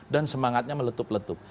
dan semangatnya meletup letup